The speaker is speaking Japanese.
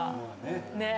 ねえ。